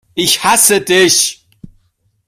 Ich hasse dich!